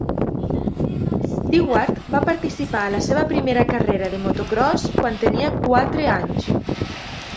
Stewart va participar a la seva primera carrera de motocròs quan tenia quatre anys.